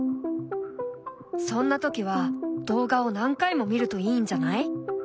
そんな時は動画を何回も見るといいんじゃない？